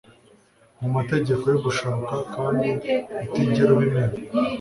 Mu mategeko yo gushaka kandi utigera ubimenya